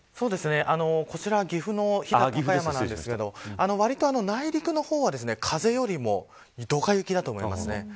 こちら岐阜の飛騨高山ですがわりと内陸の方は風よりもドカ雪だと思います。